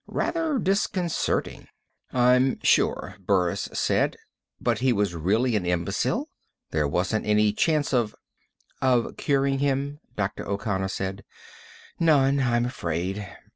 Rather disconcerting." "I'm sure," Burris said. "But he was really an imbecile? There wasn't any chance of " "Of curing him?" Dr. O'Connor said. "None, I'm afraid.